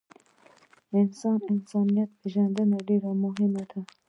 انسان پیژندنه ډیره مهمه ده